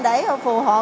để phù hộ